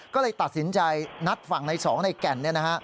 ก็เลยตัดสินใจนัดฝั่งนายสองนายแก่น